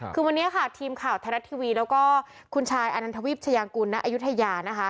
คือวันนี้ค่ะทีมข่าวไทยรัฐทีวีแล้วก็คุณชายอนันทวีปชยางกุลณอายุทยานะคะ